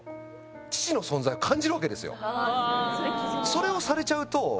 それをされちゃうと。